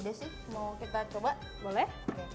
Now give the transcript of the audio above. udah sih mau kita coba boleh